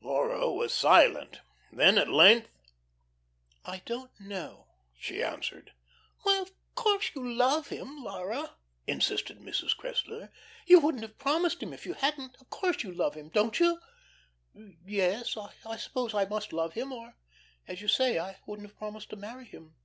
Laura was silent. Then at length: "I don't know," she answered. "Why, of course you love him, Laura," insisted Mrs. Cressler. "You wouldn't have promised him if you hadn't. Of course you love him, don't you?" "Yes, I I suppose I must love him, or as you say I wouldn't have promised to marry him.